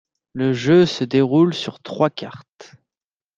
Le jeu se déroule sur trois cartes.